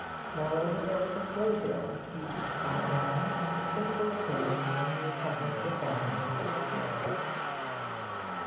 Moreover, there was a playbill, used by Alma on the single occasion when he accompanied the family to a theatre.